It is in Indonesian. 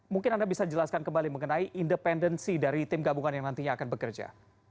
mungkin anda bisa jelaskan kembali mengenai independensi dari tim gabungan yang nantinya akan bekerja